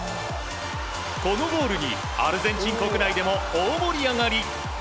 このゴールにアルゼンチン国内でも大盛り上がり。